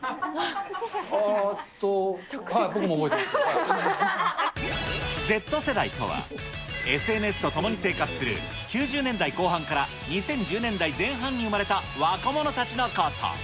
あっと、はい、僕も覚えていＺ世代とは、ＳＮＳと共に生活する９０年代後半から２０１０年代前半に生まれた若者たちのこと。